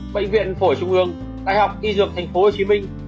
bệnh viện phổi trung ương đại học y dược thành phố hồ chí minh